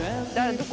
どこ？